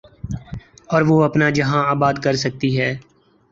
اور وہ اپنا جہاں آباد کر سکتی ہے۔